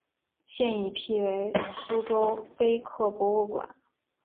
现已辟为苏州碑刻博物馆。